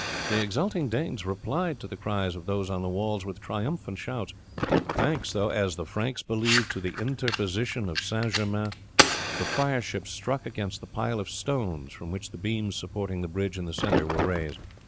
The exulting Danes replied to the cries of those on the walls with triumphant shouts. Thanks, as the Franks believed, to the interposition of St. Germain, the fireships struck against the pile of stones from which the beams supporting the bridge in the centre were raised.